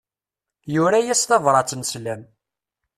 Yura-yas tabrat n sslam.